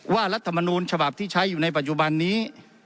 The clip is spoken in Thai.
รัฐมนูลฉบับที่ใช้อยู่ในปัจจุบันนี้